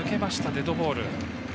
デッドボール。